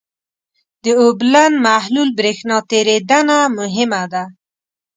د اوبلن محلول برېښنا تیریدنه مهمه ده.